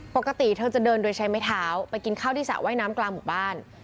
ปกติเธอจะเดินโดยใช้ไม้เท้าไปกินข้าวที่สระว่ายน้ำกลางหมู่บ้าน